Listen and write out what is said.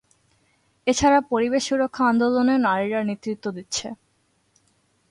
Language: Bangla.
এছাড়া পরিবেশ সুরক্ষা আন্দোলনেও নারীরা নেতৃত্ব দিচ্ছে।